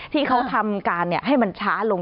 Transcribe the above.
ที่เขาทำการให้มันช้าลง